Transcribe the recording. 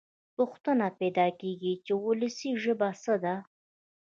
پوښتنه پیدا کېږي چې وولسي ژبه څه ده.